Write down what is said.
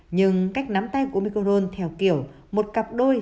nhưng cách nắm tay của micron theo kiểu một cặp đôi